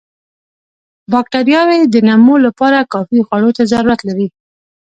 باکټریاوې د نمو لپاره کافي خوړو ته ضرورت لري.